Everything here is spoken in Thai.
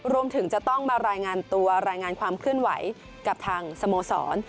รวมถึงจะต้องมารายงานตัวรายงานความเคลื่อนไหวกับทางสโมสร